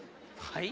はい。